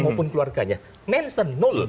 maupun keluarganya nansen nul